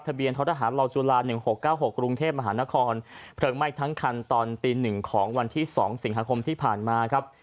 เบียนท้อทหารรอจุฬา๑๖๙๖กรุงเทพมหานครเพลิงไหม้ทั้งคันตอนตีหนึ่งของวันที่๒สิงหาคมที่ผ่านมาครับ